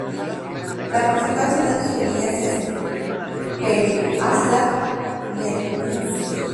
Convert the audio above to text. La principal ciudad en sus orillas es Pereiáslav-Jmelnitski.